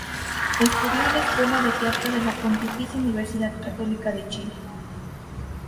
Estudió en la escuela de teatro de la Pontificia Universidad Católica de Chile.